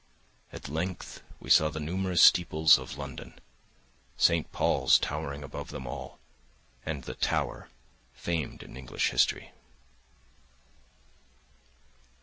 At length we saw the numerous steeples of London, St. Paul's towering above all, and the Tower famed in English history.